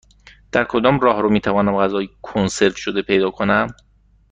در کدام راهرو می توانم غذای کنسرو شده پیدا کنم؟